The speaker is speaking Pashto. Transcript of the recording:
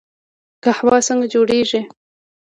قهوه څنګه جوړیږي؟